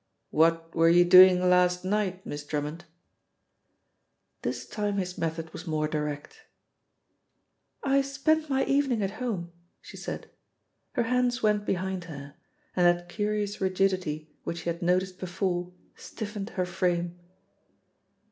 "What were you doing last light, Miss Drummond?" This time his method was more direct. "I spent my evening at home," she said. Her hands went behind her, and that curious rigidity which he had noticed before stiffened her frame.